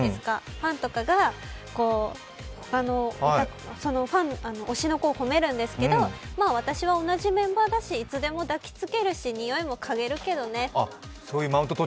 ファンとかが推しの子を褒めるんですけど私は同じメンバーだし、いつでも抱きつけるしにおいもかげるけどねと。